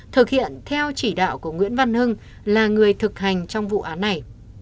thực hiện theo chỉ đạo của nguyễn văn hưng là người thực hành trong vụ án này